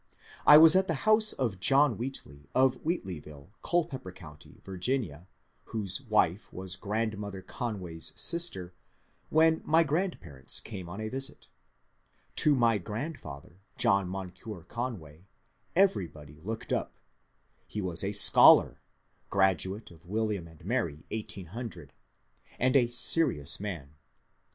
I was at the house of John Wheailey of Wheatleyville, Culpeper County, Virginia, whose wife was grandmother Conway's sister, when my grandparents came on a visit To my grandfather, John Moncure Conway, everybody looked up ; he was a scholar (graduate of William and Mary, 1800), and a serious man.